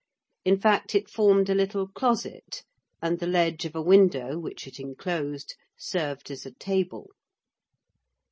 In fact, it formed a little closet, and the ledge of a window, which it enclosed, served as a table.